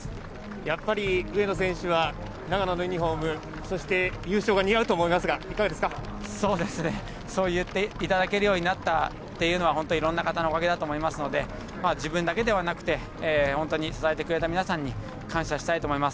やっぱり上野選手は長野のユニフォームそう言っていただけるようになったということが本当にいろんな方のおかげだと思いますので自分だけではなくて支えてくれた皆さんに感謝したいと思います。